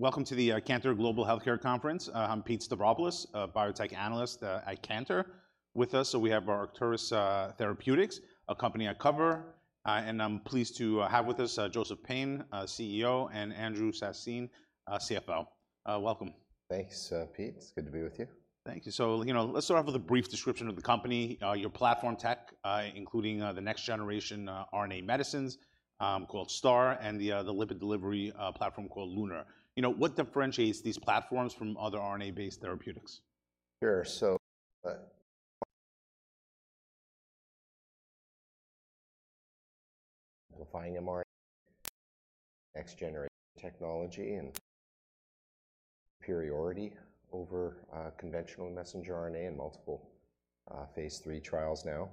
Welcome to the Cantor Global Healthcare Conference. I'm Pete Stavropoulos, a biotech analyst at Cantor. With us, so we have Arcturus Therapeutics, a company I cover, and I'm pleased to have with us Joseph Payne, CEO, and Andrew Sassine, CFO. Welcome. Thanks, Pete. It's good to be with you. Thank you. So, you know, let's start off with a brief description of the company, your platform tech, including the next generation RNA medicines called STARR, and the lipid delivery platform called LUNAR. You know, what differentiates these platforms from other RNA-based therapeutics? Sure. So, amplifying mRNA, next generation technology and superiority over, conventional messenger RNA in multiple, phase III trials now,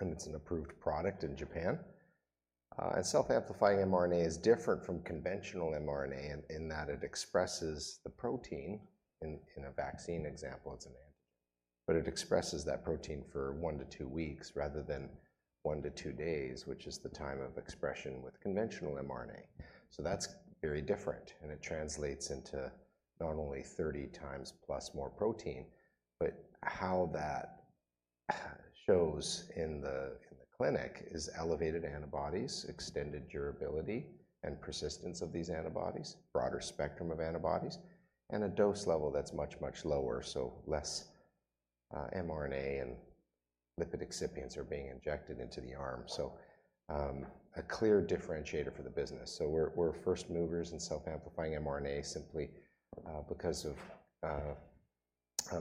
and it's an approved product in Japan. And self-amplifying mRNA is different from conventional mRNA in that it expresses the protein. In a vaccine example, it's an antigen, but it expresses that protein for one to two weeks rather than one to two days, which is the time of expression with conventional mRNA. So that's very different, and it translates into not only thirty times plus more protein, but how that shows in the clinic is elevated antibodies, extended durability and persistence of these antibodies, broader spectrum of antibodies, and a dose level that's much, much lower, so less, mRNA and lipid excipients are being injected into the arm. So, a clear differentiator for the business. We're first movers in self-amplifying mRNA simply because of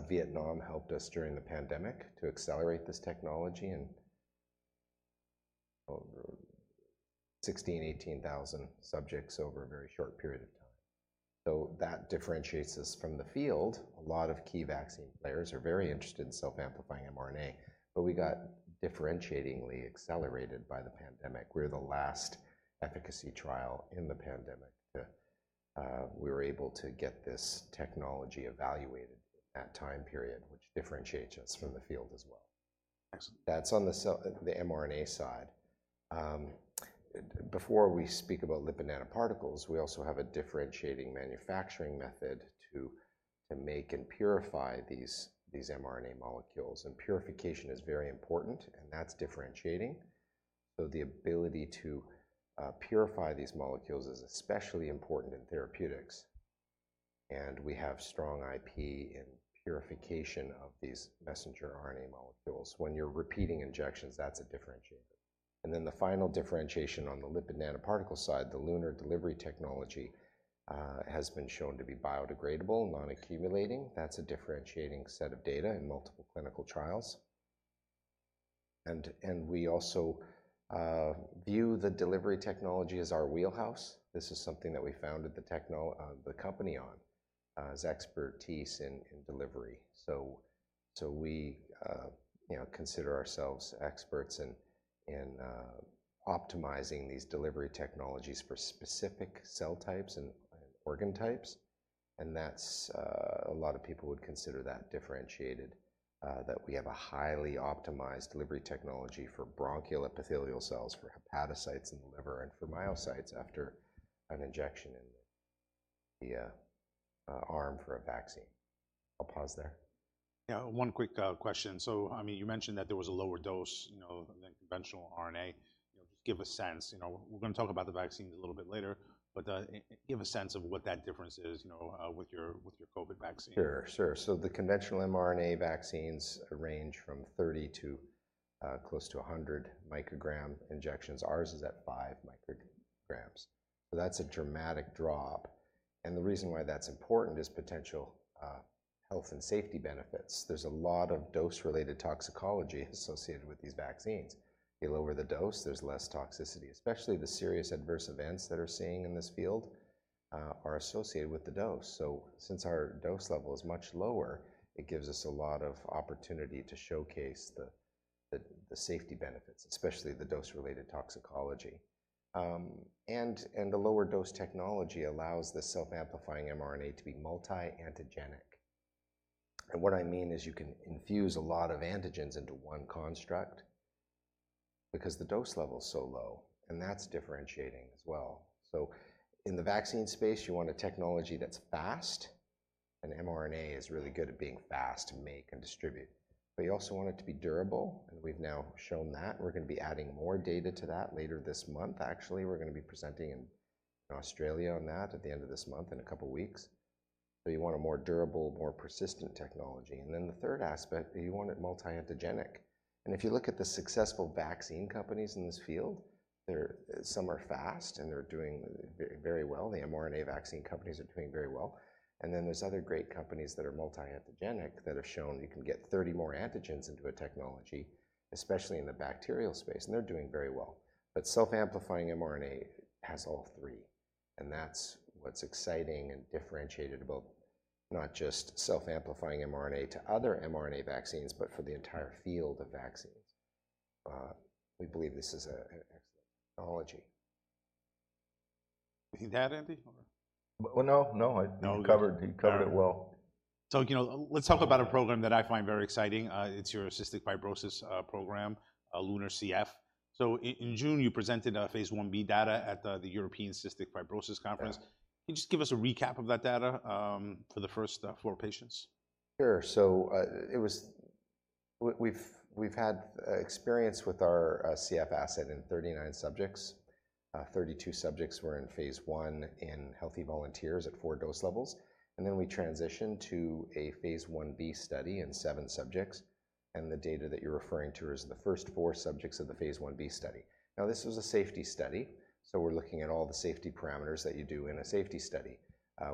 Vietnam helped us during the pandemic to accelerate this technology and over 16,000 to 18,000 subjects over a very short period of time. That differentiates us from the field. A lot of key vaccine players are very interested in self-amplifying mRNA, but we got differentiatingly accelerated by the pandemic. We're the last efficacy trial in the pandemic. We were able to get this technology evaluated at that time period, which differentiates us from the field as well. Excellent. That's on the cell, the mRNA side. Before we speak about lipid nanoparticles, we also have a differentiating manufacturing method to make and purify these mRNA molecules, and purification is very important, and that's differentiating, so the ability to purify these molecules is especially important in therapeutics, and we have strong IP in purification of these messenger RNA molecules. When you're repeating injections, that's a differentiator, and then the final differentiation on the lipid nanoparticle side, the LUNAR delivery technology has been shown to be biodegradable, non-accumulating. That's a differentiating set of data in multiple clinical trials, and we also view the delivery technology as our wheelhouse. This is something that we founded the company on, is expertise in delivery. So we, you know, consider ourselves experts in optimizing these delivery technologies for specific cell types and organ types, and that's a lot of people would consider that differentiated, that we have a highly optimized delivery technology for bronchial epithelial cells, for hepatocytes in the liver, and for myocytes after an injection in the arm for a vaccine. I'll pause there. Yeah, one quick question. So, I mean, you mentioned that there was a lower dose, you know, than conventional RNA. You know, just give a sense, you know... We're gonna talk about the vaccines a little bit later, but, give a sense of what that difference is, you know, with your, with your COVID vaccine. Sure, sure. So the conventional mRNA vaccines range from thirty to close to a hundred microgram injections. Ours is at five micrograms, so that's a dramatic drop. And the reason why that's important is potential health and safety benefits. There's a lot of dose-related toxicology associated with these vaccines. You lower the dose, there's less toxicity, especially the serious adverse events that we're seeing in this field are associated with the dose. So since our dose level is much lower, it gives us a lot of opportunity to showcase the safety benefits, especially the dose-related toxicology, and the lower dose technology allows the self-amplifying mRNA to be multi-antigenic. And what I mean is, you can infuse a lot of antigens into one construct because the dose level is so low, and that's differentiating as well. So in the vaccine space, you want a technology that's fast, and mRNA is really good at being fast to make and distribute. But you also want it to be durable, and we've now shown that. We're gonna be adding more data to that later this month. Actually, we're gonna be presenting in Australia on that at the end of this month, in a couple of weeks. So you want a more durable, more persistent technology. And then the third aspect, you want it multi-antigenic. And if you look at the successful vaccine companies in this field, they're, some are fast, and they're doing very, very well. The mRNA vaccine companies are doing very well, and then there's other great companies that are multi-antigenic that have shown you can get 30 more antigens into a technology, especially in the bacterial space, and they're doing very well. But self-amplifying mRNA has all three, and that's what's exciting and differentiated about not just self-amplifying mRNA to other mRNA vaccines, but for the entire field of vaccines. We believe this is an excellent technology. You need that, Andy, or? No, no, I- No. He covered it. He covered it well. So, you know, let's talk about a program that I find very exciting. It's your cystic fibrosis program, LUNAR-CF. So in June, you presented phase I-B data at the European Cystic Fibrosis Conference. Yeah. Can you just give us a recap of that data for the first four patients? Sure. So, we've had experience with our CF asset in 39 subjects. 32 subjects were in phase I in healthy volunteers at four dose levels, and then we transitioned to a phase I-B study in seven subjects, and the data that you're referring to is the first four subjects of the phase I-B study. Now, this was a safety study, so we're looking at all the safety parameters that you do in a safety study.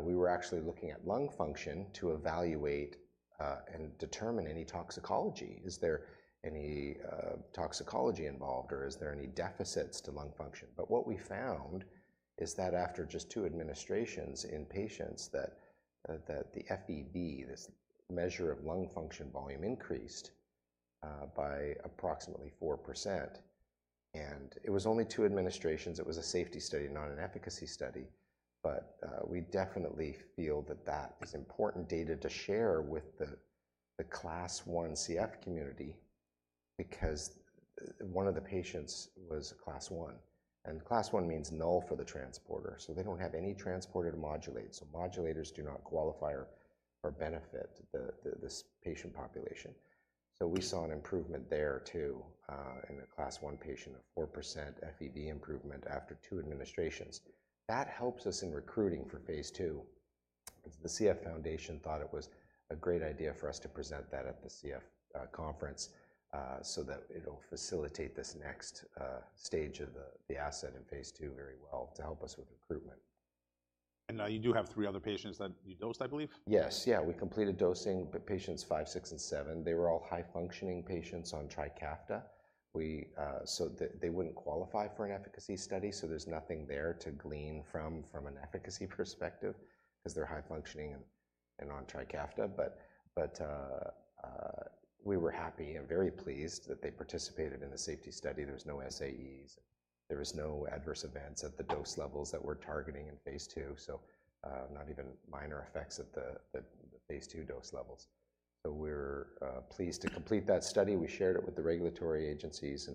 We were actually looking at lung function to evaluate and determine any toxicology. Is there any toxicology involved, or is there any deficits to lung function, but what we found is that after just two administrations in patients, that the FEV, this measure of lung function volume, increased by approximately 4%, and it was only two administrations. It was a safety study, not an efficacy study, but we definitely feel that that is important data to share with the Class I CF community, because one of the patients was a Class I, and Class I means null for the transporter, so they don't have any transporter to modulate, so modulators do not qualify or benefit the this patient population, so we saw an improvement there, too, in a Class I patient of 4% FEV improvement after two administrations. That helps us in recruiting for phase II. The CF Foundation thought it was a great idea for us to present that at the CF conference, so that it'll facilitate this next stage of the asset in phase II very well to help us with recruitment. Now you do have three other patients that you dosed, I believe? Yes. Yeah, we completed dosing patients five, six, and seven. They were all high-functioning patients on Trikafta. So they wouldn't qualify for an efficacy study, so there's nothing there to glean from an efficacy perspective, 'cause they're high-functioning and on Trikafta. But we were happy and very pleased that they participated in the safety study. There was no SAEs. There was no adverse events at the dose levels that we're targeting in phase II, so not even minor effects at the phase II dose levels. So we're pleased to complete that study. We shared it with the regulatory agencies,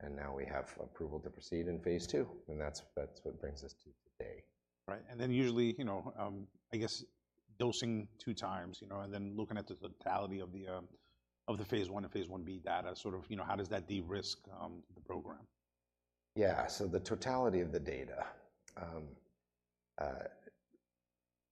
and now we have approval to proceed in phase II, and that's what brings us to today. Right. And then usually, you know, I guess dosing two times, you know, and then looking at the totality of the phase I and phase I-B data, sort of, you know, how does that de-risk the program? Yeah, so the totality of the data.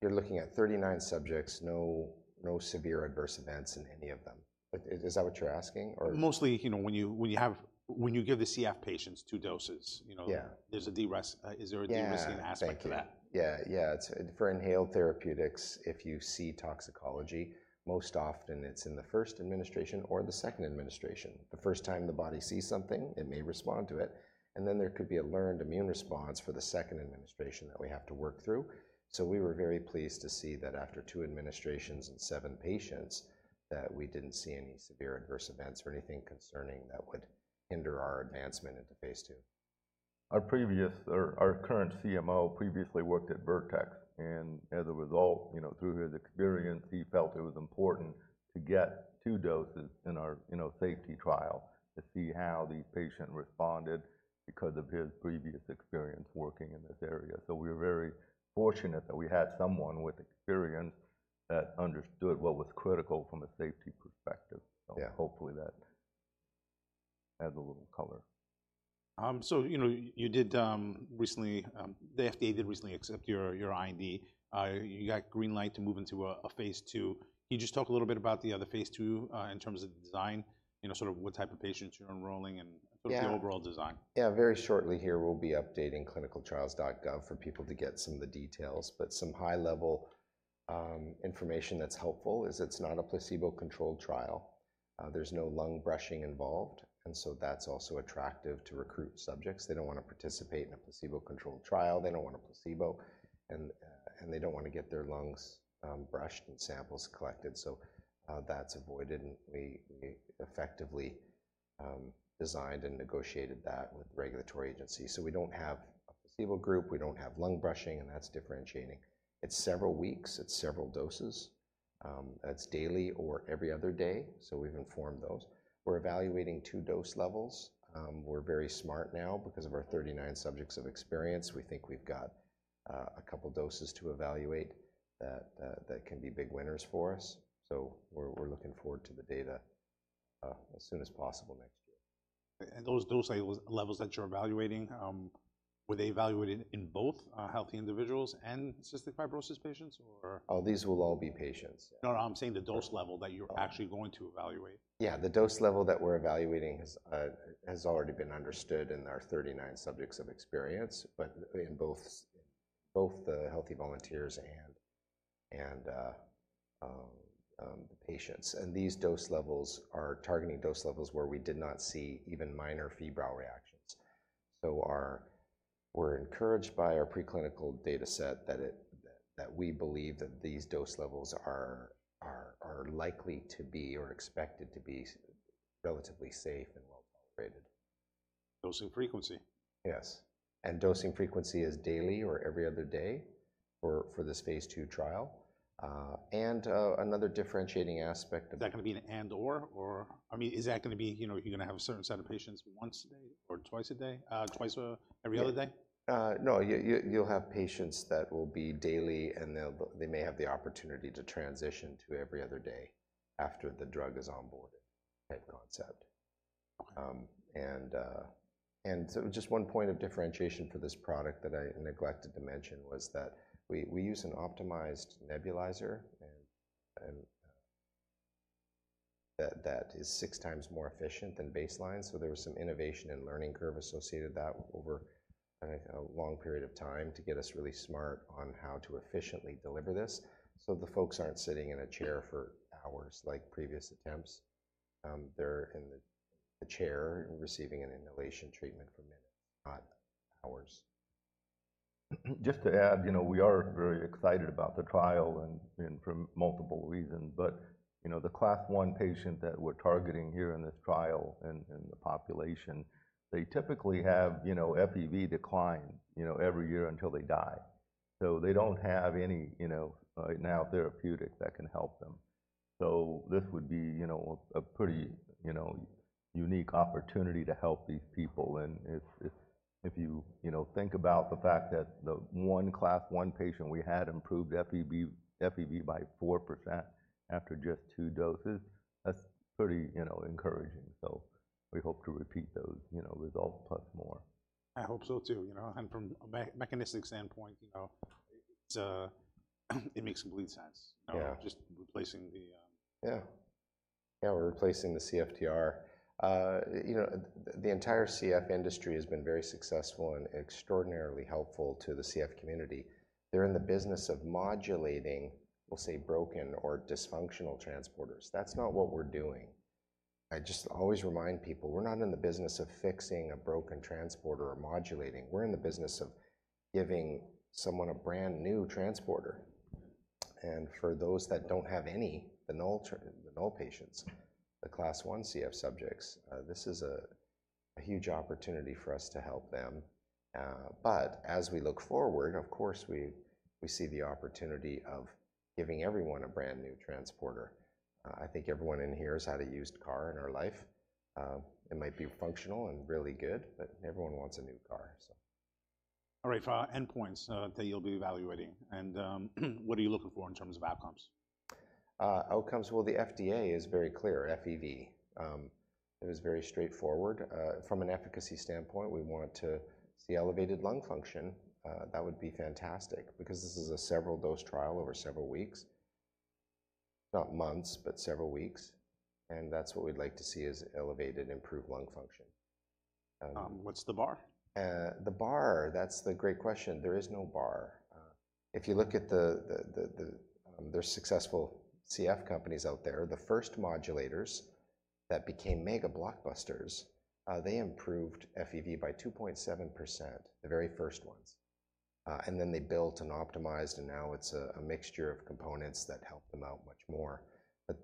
You're looking at thirty-nine subjects, no, no severe adverse events in any of them. But is that what you're asking? Or- Mostly, you know, when you give the CF patients two doses, you know- Yeah... there's a de-risk, is there a- Yeah... de-risking aspect to that? Yeah, yeah, it's for inhaled therapeutics, if you see toxicology, most often it's in the first administration or the second administration. The first time the body sees something, it may respond to it, and then there could be a learned immune response for the second administration that we have to work through. So we were very pleased to see that after two administrations in seven patients, that we didn't see any severe adverse events or anything concerning that would hinder our advancement into phase II. Our previous, or our current CMO previously worked at Vertex, and as a result, you know, through his experience, he felt it was important to get two doses in our, you know, safety trial to see how the patient responded because of his previous experience working in this area. So we're very fortunate that we had someone with experience that understood what was critical from a safety perspective. Yeah. Hopefully that adds a little color. So, you know, the FDA did recently accept your IND. You got green light to move into a phase III. Can you just talk a little bit about the phase II in terms of the design? You know, sort of what type of patients you're enrolling and- Yeah... sort of the overall design. Yeah, very shortly here, we'll be updating clinicaltrials.gov for people to get some of the details. Some high-level information that's helpful is it's not a placebo-controlled trial. There's no lung brushing involved, and so that's also attractive to recruit subjects. They don't wanna participate in a placebo-controlled trial, they don't want a placebo, and they don't wanna get their lungs brushed and samples collected. So that's avoided, and we effectively designed and negotiated that with regulatory agencies. We don't have a placebo group, we don't have lung brushing, and that's differentiating. It's several weeks, it's several doses. That's daily or every other day, so we've informed those. We're evaluating two dose levels. We're very smart now because of our 39 subjects of experience. We think we've got a couple doses to evaluate that can be big winners for us, so we're looking forward to the data as soon as possible next year. Those dosage levels that you're evaluating, were they evaluated in both healthy individuals and cystic fibrosis patients, or? Oh, these will all be patients. No, no, I'm saying the dose level that you're actually going to evaluate. Yeah, the dose level that we're evaluating has already been understood in our thirty-nine subjects of experience, but in both the healthy volunteers and the patients, and these dose levels are targeting dose levels where we did not see even minor febrile reactions. So we're encouraged by our preclinical data set that we believe that these dose levels are likely to be or expected to be relatively safe and well-tolerated.... dosing frequency? Yes, and dosing frequency is daily or every other day for this phase II trial. Another differentiating aspect- Is that gonna be an and/or, or I mean, is that gonna be, you know, you're gonna have a certain set of patients once a day or twice a day, every other day? No, you, you'll have patients that will be daily, and they'll, they may have the opportunity to transition to every other day after the drug is onboarded type concept. And so just one point of differentiation for this product that I neglected to mention was that we use an optimized nebulizer, and that is six times more efficient than baseline. So there was some innovation and learning curve associated that over, I think, a long period of time to get us really smart on how to efficiently deliver this. So the folks aren't sitting in a chair for hours like previous attempts. They're in the chair and receiving an inhalation treatment for minutes, not hours. Just to add, you know, we are very excited about the trial and for multiple reasons. But, you know, the Class I patient that we're targeting here in this trial and the population, they typically have, you know, FEV decline, you know, every year until they die. So they don't have any, you know, right now therapeutic that can help them. So this would be, you know, a pretty, you know, unique opportunity to help these people. And if you, you know, think about the fact that the one Class I patient we had improved FEV by 4% after just two doses, that's pretty, you know, encouraging. So we hope to repeat those, you know, results plus more. I hope so, too, you know, and from a mechanistic standpoint, you know, it's it makes complete sense- Yeah... just replacing the, Yeah. Yeah, we're replacing the CFTR. You know, the entire CF industry has been very successful and extraordinarily helpful to the CF community. They're in the business of modulating, we'll say, broken or dysfunctional transporters. That's not what we're doing. I just always remind people, we're not in the business of fixing a broken transporter or modulating. We're in the business of giving someone a brand-new transporter. And for those that don't have any, the null patients, the Class I CF subjects, this is a huge opportunity for us to help them. But as we look forward, of course, we see the opportunity of giving everyone a brand-new transporter. I think everyone in here has had a used car in their life. It might be functional and really good, but everyone wants a new car, so. All right, for our endpoints that you'll be evaluating, and what are you looking for in terms of outcomes? Outcomes. Well, the FDA is very clear, FEV. It was very straightforward. From an efficacy standpoint, we want to see elevated lung function. That would be fantastic because this is a several-dose trial over several weeks, not months, but several weeks, and that's what we'd like to see is elevated, improved lung function. What's the bar? The bar, that's the great question. There is no bar. If you look at the successful CF companies out there, the first modulators that became mega blockbusters, they improved FEV by 2.7%, the very first ones. And then they built and optimized, and now it's a mixture of components that help them out much more. But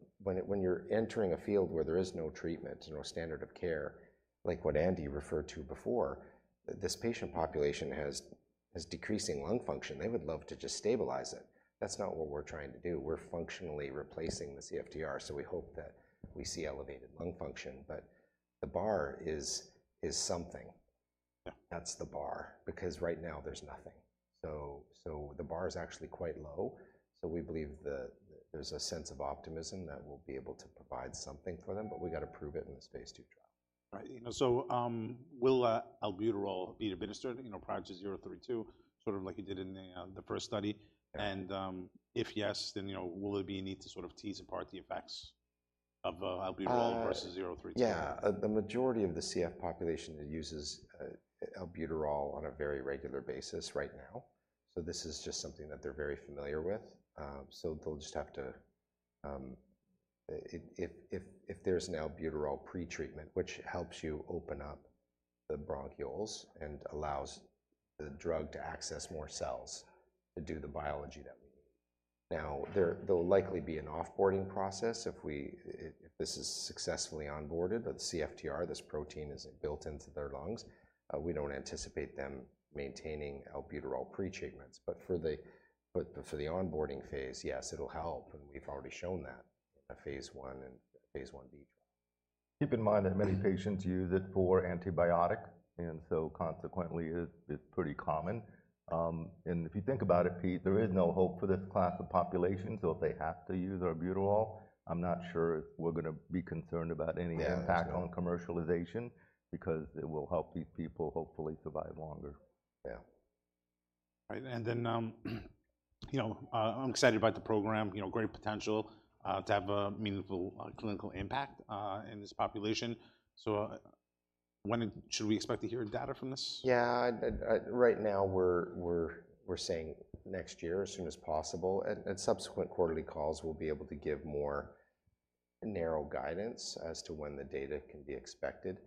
when you're entering a field where there is no treatment, no standard of care, like what Andy referred to before, this patient population has decreasing lung function. They would love to just stabilize it. That's not what we're trying todo. We're functionally replacing the CFTR, so we hope that we see elevated lung function. But the bar is something. Yeah. That's the bar because right now there's nothing. So, the bar is actually quite low, so we believe that there's a sense of optimism that we'll be able to provide something for them, but we've got to prove it in this phase II trial. Right. You know, so, will albuterol be administered, you know, prior to zero three two, sort of like you did in the first study? If yes, then, you know, will there be a need to sort of tease apart the effects of Albuterol? Uh- versus zero three two? Yeah. The majority of the CF population uses Albuterol on a very regular basis right now, so this is just something that they're very familiar with. So they'll just have to if there's an Albuterol pretreatment, which helps you open up the bronchioles and allows the drug to access more cells to do the biology that we need. Now, there will likely be an off-boarding process if we if this is successfully onboarded. But the CFTR, this protein, is built into their lungs. We don't anticipate them maintaining Albuterol pretreatments. But for the onboarding phase, yes, it'll help, and we've already shown that at phase I and phase I-B trial. Keep in mind that many patients use it for antibiotic, and so consequently, it, it's pretty common, and if you think about it, Pete, there is no hope for this class of population, so if they have to use Albuterol, I'm not sure if we're gonna be concerned about any- Yeah, no... impact on commercialization because it will help these people hopefully survive longer. Yeah. Right, and then, you know, I'm excited about the program, you know, great potential to have a meaningful clinical impact in this population. So, when did-- should we expect to hear data from this? Yeah, right now, we're saying next year, as soon as possible. At subsequent quarterly calls, we'll be able to give more narrow guidance as to when the data can be expected.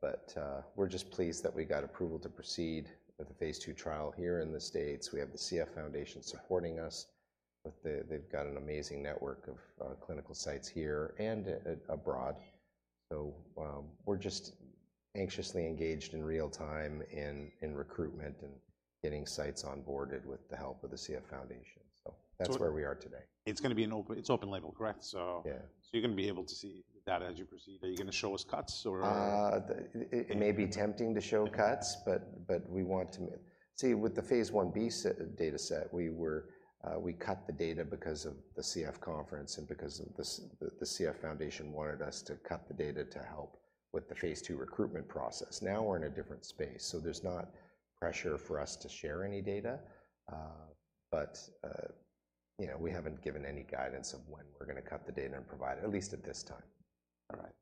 But, we're just pleased that we got approval to proceed with the phase II trial here in the States. We have the CF Foundation supporting us... but they've got an amazing network of clinical sites here and abroad. So, we're just anxiously engaged in real time in recruitment and getting sites onboarded with the help of the CF Foundation. So- So- That's where we are today. It's open label, correct? So- Yeah. So you're gonna be able to see the data as you proceed. Are you gonna show us cuts or? It may be tempting to show cuts, but we want to see with the phase I-B data set. We cut the data because of the CF conference and because the CF Foundation wanted us to cut the data to help with the phase II recruitment process. Now, we're in a different space, so there's not pressure for us to share any data. You know, we haven't given any guidance of when we're gonna cut the data and provide it, at least at this time. All right,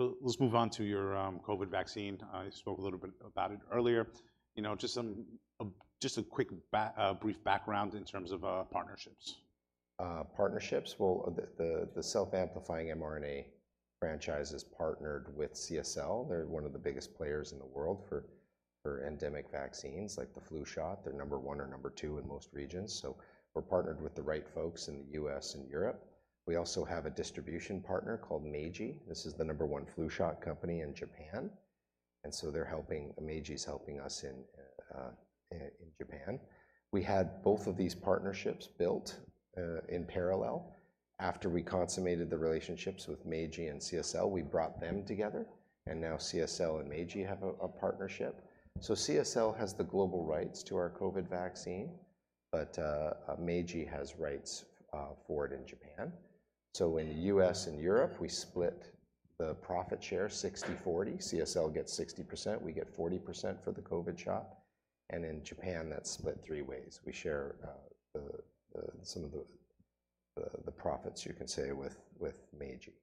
so let's move on to your COVID vaccine. You spoke a little bit about it earlier. You know, just some, just a quick brief background in terms of partnerships. Partnerships. Well, the self-amplifying mRNA franchise is partnered with CSL. They're one of the biggest players in the world for endemic vaccines, like the flu shot. They're number one or number two in most regions, so we're partnered with the right folks in the U.S. and Europe. We also have a distribution partner called Meiji. This is the number one flu shot company in Japan, and so Meiji's helping us in Japan. We had both of these partnerships built in parallel. After we consummated the relationships with Meiji and CSL, we brought them together, and now CSL and Meiji have a partnership. So CSL has the global rights to our COVID vaccine, but Meiji has rights for it in Japan. So in the U.S. and Europe, we split the profit share 60/40. CSL gets 60%, we get 40% for the COVID shot, and in Japan, that's split three ways. We share some of the profits, you can say, with Meiji.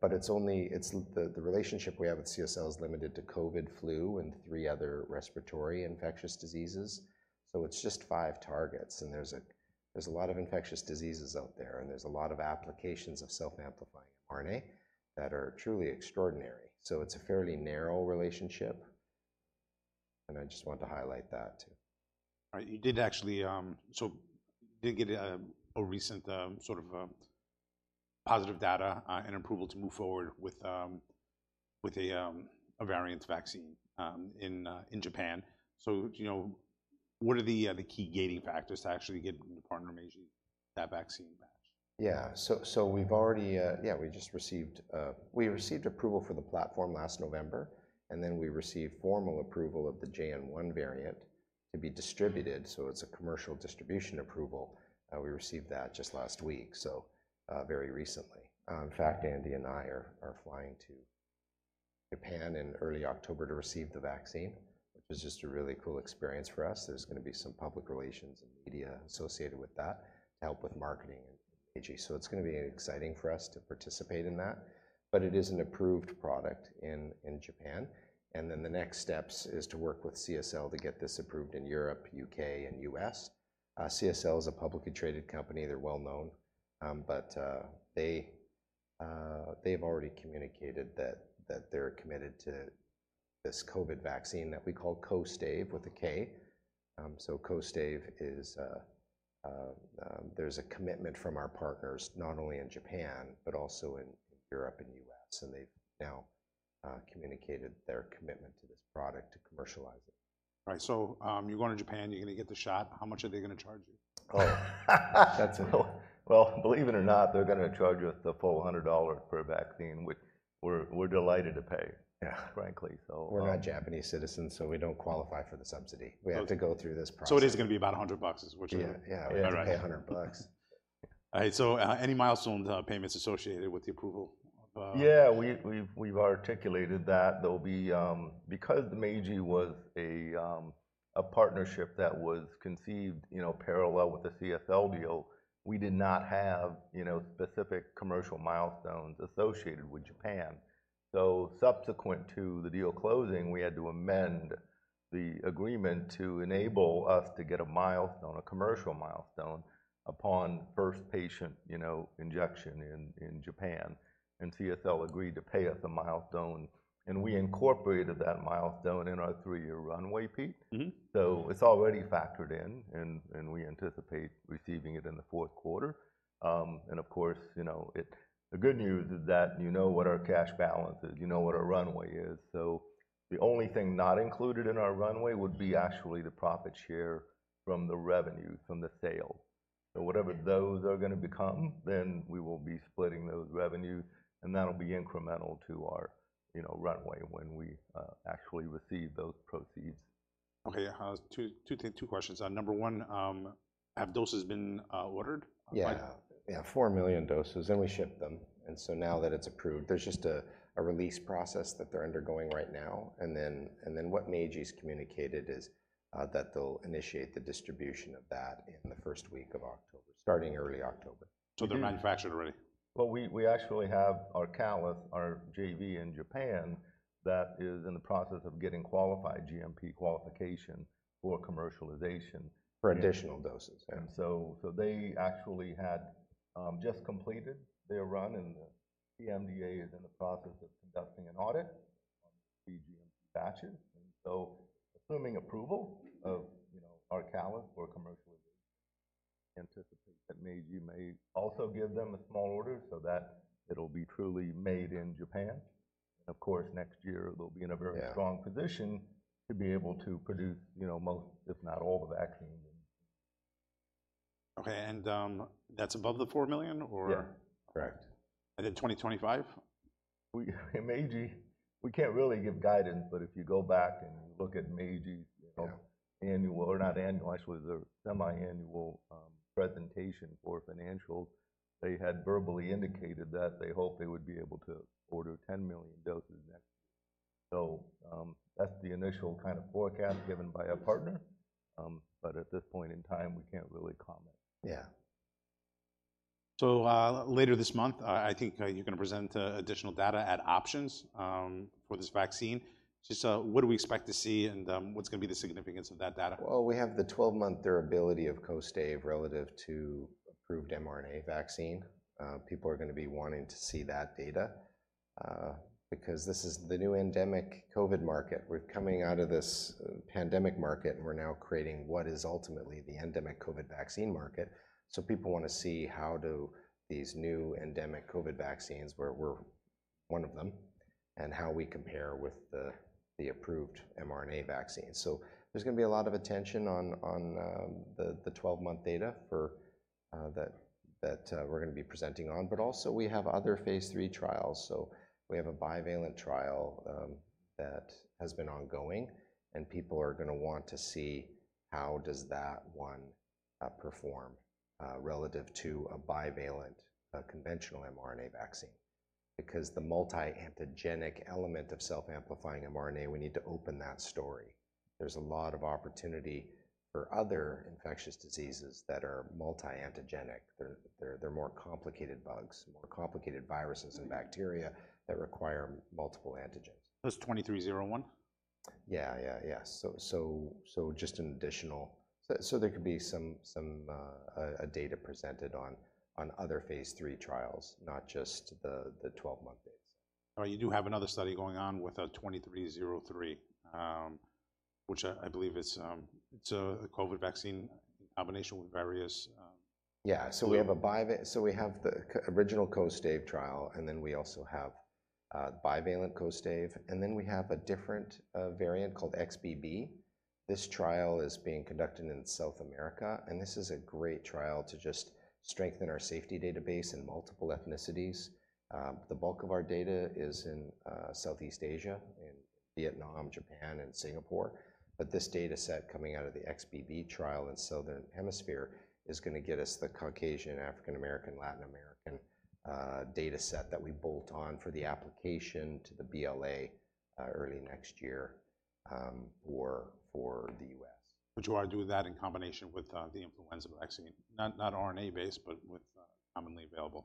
But it's only the relationship we have with CSL is limited to COVID, flu, and three other respiratory infectious diseases, so it's just five targets. And there's a lot of infectious diseases out there, and there's a lot of applications of self-amplifying mRNA that are truly extraordinary. So it's a fairly narrow relationship, and I just want to highlight that, too. All right. You did actually get a recent sort of positive data and approval to move forward with a variant vaccine in Japan. So, do you know what are the key gating factors to actually getting the partner Meiji that vaccine match? Yeah, so we've already received approval for the platform last November, and then we received formal approval of the JN.1 variant to be distributed, so it's a commercial distribution approval. We received that just last week, so very recently. In fact, Andy and I are flying to Japan in early October to receive the vaccine, which is just a really cool experience for us. There's gonna be some public relations and media associated with that to help with marketing and Meiji. So it's gonna be exciting for us to participate in that, but it is an approved product in Japan, and then the next steps is to work with CSL to get this approved in Europe, U.K., and U.S. CSL is a publicly traded company. They're well-known. But they’ve already communicated that they’re committed to this COVID vaccine that we call Kostaive, with a K. So Kostaive is, there’s a commitment from our partners, not only in Japan but also in Europe and U.S., and they’ve now communicated their commitment to this product to commercialize it. Right, so, you're going to Japan, you're gonna get the shot. How much are they gonna charge you? Well, believe it or not, they're gonna charge us the full $100 per vaccine, which we're delighted to pay- Yeah... frankly, We're not Japanese citizens, so we don't qualify for the subsidy. Okay. We have to go through this process. So it is gonna be about $100, is what you're- Yeah, yeah. All right. We have to pay $100. Yeah. All right, so, any milestone payments associated with the approval of, Yeah, we've articulated that. There'll be... Because Meiji was a partnership that was conceived, you know, parallel with the CSL deal, we did not have, you know, specific commercial milestones associated with Japan. So subsequent to the deal closing, we had to amend the agreement to enable us to get a milestone, a commercial milestone, upon first patient, you know, injection in Japan. And CSL agreed to pay us a milestone, and we incorporated that milestone in our three-year runway, Pete. So it's already factored in, and we anticipate receiving it in the fourth quarter. And of course, you know, the good news is that you know what our cash balance is, you know what our runway is. So the only thing not included in our runway would be actually the profit share from the revenue, from the sales. So whatever those are gonna become, then we will be splitting those revenues, and that'll be incremental to our, you know, runway when we actually receive those proceeds. Okay, two questions. Number one, have doses been ordered by- Yeah. Yeah, four million doses, and we shipped them, and so now that it's approved, there's just a release process that they're undergoing right now. And then what Meiji's communicated is that they'll initiate the distribution of that in the first week of October, starting early October. They're manufactured already? We actually have our Carlit, our JV in Japan, that is in the process of getting qualified, GMP qualification, for commercialization- For additional doses? And so, they actually had just completed their run, and the PMDA is in the process of conducting an audit.... GMP batches. And so, assuming approval of, you know, Arcalis for commercial, anticipate that Meiji may also give them a small order so that it'll be truly made in Japan. Of course, next year they'll be in a very strong position to be able to produce, you know, most, if not all, the vaccine. Okay, and, that's above the four million, or? Yeah, correct. And then 2025? We, Meiji, we can't really give guidance, but if you go back and look at Meiji annual, or not annual, actually, their semiannual presentation for financial, they had verbally indicated that they hoped they would be able to order 10 million doses next. So, that's the initial kind of forecast given by our partner. But at this point in time, we can't really comment. Yeah. So, later this month, I think, you're gonna present additional data at Options, for this vaccine. Just, what do we expect to see, and, what's gonna be the significance of that data? We have the twelve-month durability of Kostaive relative to approved mRNA vaccine. People are gonna be wanting to see that data, because this is the new endemic COVID market. We're coming out of this pandemic market, and we're now creating what is ultimately the endemic COVID vaccine market. So people want to see how do these new endemic COVID vaccines, where we're one of them, and how we compare with the approved mRNA vaccines. So there's gonna be a lot of attention on the twelve-month data that we're gonna be presenting on. But also we have other phase III trials, so we have a bivalent trial that has been ongoing, and people are gonna want to see how does that one perform relative to a bivalent, a conventional mRNA vaccine. Because the multi-antigenic element of self-amplifying mRNA, we need to open that story. There's a lot of opportunity for other infectious diseases that are multi-antigenic. They're more complicated bugs, more complicated viruses and bacteria that require multiple antigens. That's 2301? Yeah. So just an additional... So there could be some data presented on other phase III trials, not just the 12-month data. All right, you do have another study going on with 2303, which I believe it's a COVID vaccine in combination with various, Yeah, so we have a biva. So we have the original Kostaive trial, and then we also have a bivalent Kostaive, and then we have a different variant called XBB. This trial is being conducted in South America, and this is a great trial to just strengthen our safety database in multiple ethnicities. The bulk of our data is in Southeast Asia, in Vietnam, Japan, and Singapore. But this data set coming out of the XBB trial in Southern Hemisphere is gonna get us the Caucasian, African American, Latin American data set that we bolt on for the application to the BLA early next year for the U.S. But you want to do that in combination with the influenza vaccine, not RNA-based, but with commonly available?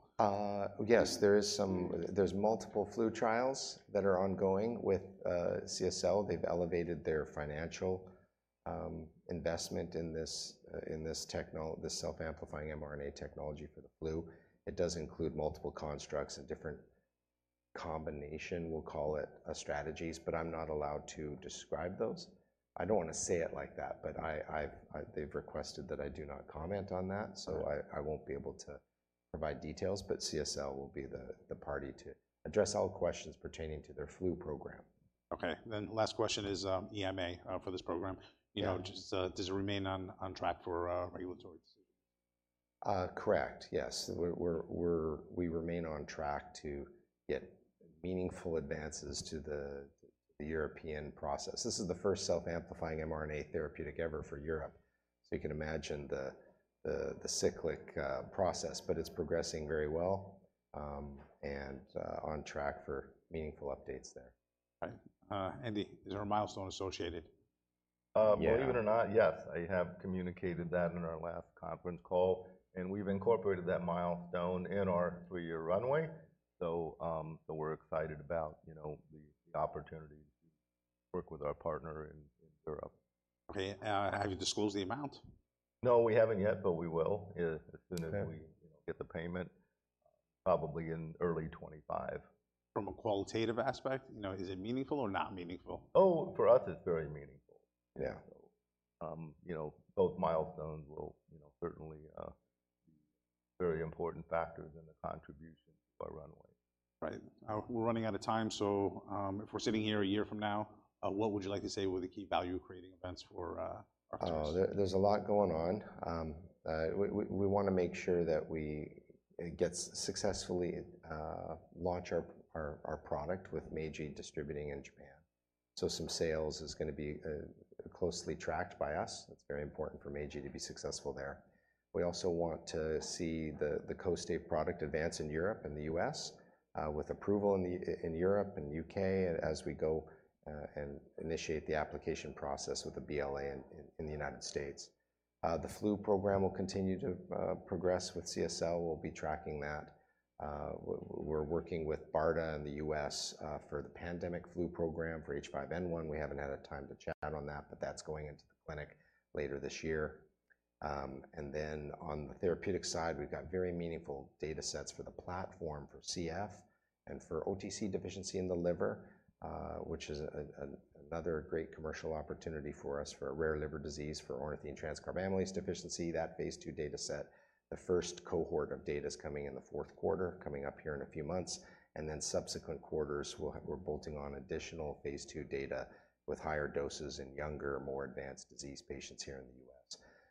Yes, there is some... There's multiple flu trials that are ongoing with CSL. They've elevated their financial investment in this self-amplifying mRNA technology for the flu. It does include multiple constructs and different combination, we'll call it, strategies, but I'm not allowed to describe those. I don't wanna say it like that, but I've, they've requested that I do not comment on that. So I won't be able to provide details, but CSL will be the party to address all questions pertaining to their flu program. Okay. Then last question is, EMA, for this program. You know, just does it remain on track for regulatory? Correct, yes. We remain on track to get meaningful advances to the European process. This is the first self-amplifying mRNA therapeutic ever for Europe, so you can imagine the cyclic process, but it's progressing very well, and on track for meaningful updates there. Right. Andy, is there a milestone associated? Believe it or not, yes, I have communicated that in our last conference call, and we've incorporated that milestone in our three-year runway. So, we're excited about, you know, the opportunity to work with our partner in Europe. Okay, have you disclosed the amount? No, we haven't yet, but we will, as soon as we, you know, get the payment, probably in early 2025. From a qualitative aspect, you know, is it meaningful or not meaningful? Oh, for us, it's very meaningful. Yeah. You know, both milestones will, you know, certainly be very important factors in the contribution to our runway. Right. We're running out of time, so, if we're sitting here a year from now, what would you like to say were the key value creating events for Arcturus? Oh, there, there's a lot going on. We wanna make sure that we get successfully launch our product with Meiji distributing in Japan. So some sales is gonna be closely tracked by us. It's very important for Meiji to be successful there. We also want to see the Kostaive product advance in Europe and the U.S., with approval in Europe and U.K., and as we go, and initiate the application process with the BLA in the United States. The flu program will continue to progress with CSL. We'll be tracking that. We're working with BARDA in the U.S., for the pandemic flu program. For H5N1, we haven't had a time to chat on that, but that's going into the clinic later this year. And then on the therapeutic side, we've got very meaningful data sets for the platform for CF and for OTC deficiency in the liver, which is another great commercial opportunity for us for a rare liver disease, for Ornithine Transcarbamylase deficiency. That phase II data set, the first cohort of data is coming in the fourth quarter, coming up here in a few months, and then subsequent quarters, we're bolting on additional phase II data with higher doses in younger, more advanced disease patients here in the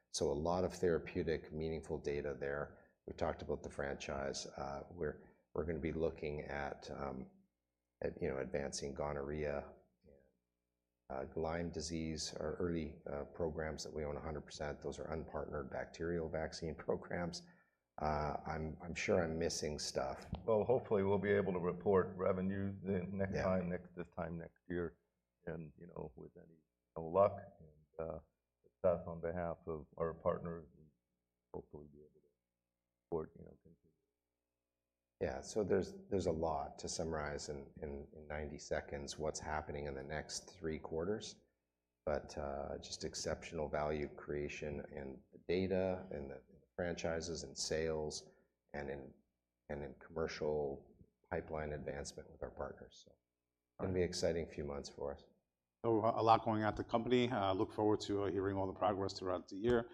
U.S. So a lot of therapeutic, meaningful data there. We talked about the franchise. We're gonna be looking at, you know, advancing Gonorrhea, Lyme disease. Our early programs that we own 100%, those are unpartnered bacterial vaccine programs. I'm sure I'm missing stuff. Hopefully, we'll be able to report revenue then next time. Next, this time next year, and, you know, with any luck, and, stuff on behalf of our partners, and hopefully, be able to report, you know, continued. Yeah, so there's a lot to summarize in 90 seconds, what's happening in the next three quarters. But just exceptional value creation in the data, in the franchises, in sales, and in commercial pipeline advancement with our partners. So gonna be exciting few months for us. So a lot going on at the company. I look forward to hearing all the progress throughout the year.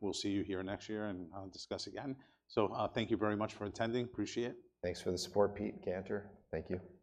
We'll see you here next year, and I'll discuss again. So, thank you very much for attending. Appreciate it. Thanks for the support, Pete and Cantor. Thank you. All right.